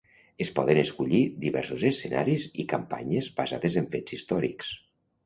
Es poden escollir diversos escenaris i campanyes basades en fets històrics.